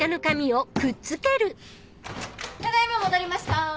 ただ今戻りました。